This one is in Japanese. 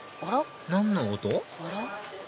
何の音？